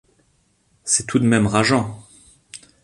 C’est tout de même rageant.